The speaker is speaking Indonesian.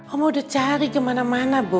oma udah cari kemana mana boy